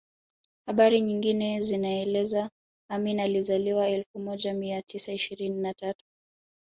Habari nyingine zinaeleza Amin alizaliwa elfu moja mia tisa ishirini na tatu